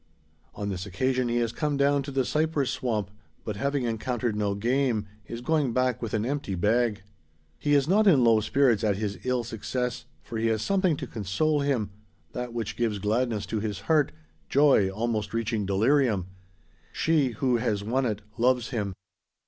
On this occasion he has come down to the cypress swamp; but, having encountered no game, is going back with an empty bag. He is not in low spirits at his ill success; for he has something to console him that which gives gladness to his heart joy almost reaching delirium. She, who has won it, loves him.